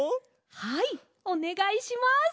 はいおねがいします！